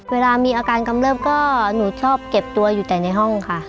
เวลามีอาการกำเริบก็หนูชอบเก็บตัวอยู่แต่ในห้องค่ะ